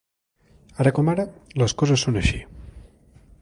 Ara com ara, les coses són així.